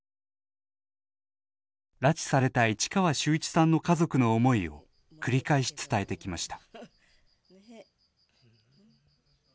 拉致された市川修一さんの家族の思いを繰り返し伝えてきました。